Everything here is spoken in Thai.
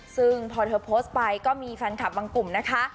ซึ่งพอเธอโพสต์ไปก็มีแฟนคลับบางกลุ่มนะคะ